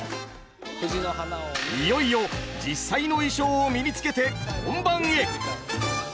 いよいよ実際の衣装を身に着けて本番へ。